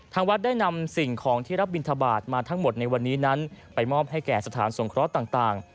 วัดได้นำสิ่งของที่รับบินทบาทมาทั้งหมดในวันนี้นั้นไปมอบให้แก่สถานสงเคราะห์ต่าง